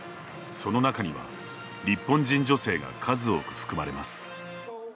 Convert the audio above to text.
その中には、日本人女性が数多く含まれます。